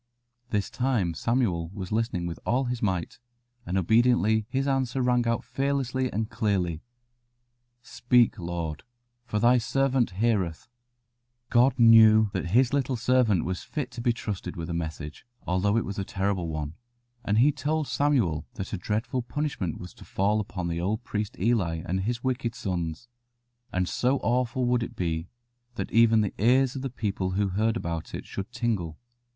This time Samuel was listening with all his might, and obediently his answer rang out fearlessly and clearly "Speak, Lord, for Thy servant heareth." [Illustration: "I called not, my son."] God knew that His little servant was fit to be trusted with a message, although it was a terrible one; and He told Samuel that a dreadful punishment was to fall upon the old priest Eli and his wicked sons, and so awful would it be that even the ears of the people who heard about it should tingle.